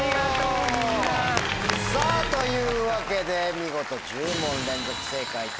さぁというわけで見事１０問連続正解達成！